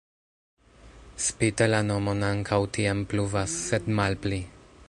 Spite la nomon ankaŭ tiam pluvas, sed malpli.